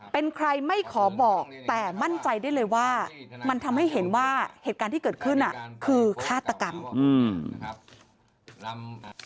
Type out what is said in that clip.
เป็นใครไม่ขอบอกแต่มั่นใจได้เลยว่ามันทำให้เห็นว่าเหตุการณ์ที่เกิดขึ้นคือฆาตกรรม